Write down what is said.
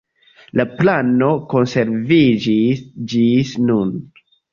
La plano konserviĝis ĝis nun.